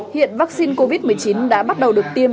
hiện vaccine covid một mươi chín đã bắt đầu được tiêm